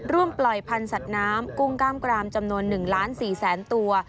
ปล่อยพันธุ์สัตว์น้ำกุ้งกล้ามกรามจำนวน๑ล้าน๔แสนตัว